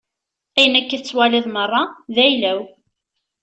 Ayen akka i tettwaliḍ meṛṛa, d ayla-w.